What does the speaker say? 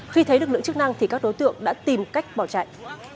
khi thấy lực lượng chức năng thì các đối tượng đã tìm cách bỏ chạy